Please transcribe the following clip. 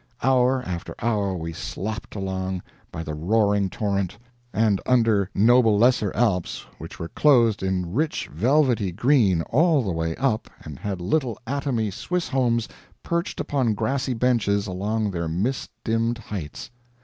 Hour after hour we slopped along, by the roaring torrent, and under noble Lesser Alps which were clothed in rich velvety green all the way up and had little atomy Swiss homes perched upon grassy benches along their mist dimmed heights.